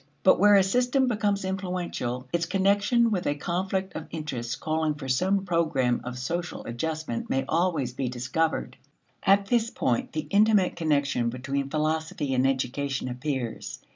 But where a system becomes influential, its connection with a conflict of interests calling for some program of social adjustment may always be discovered. At this point, the intimate connection between philosophy and education appears.